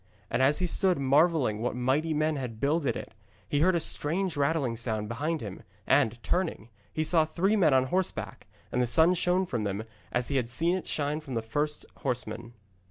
And as he stood marvelling what mighty men had builded it, he heard a strange rattling sound behind him, and, turning, he saw three men on horseback, and the sun shone from them as he had seen it shine from the first horseman.